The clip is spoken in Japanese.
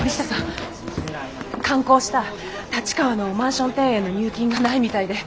完工した立川のマンション庭園の入金がないみたいで。